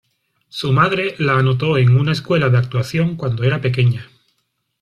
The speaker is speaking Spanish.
Su madre la anotó en una escuela de actuación cuando era pequeña.